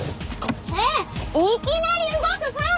えっいきなり動くファン！